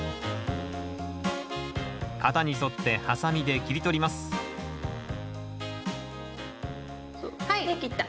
型に沿ってハサミで切り取ります出来た。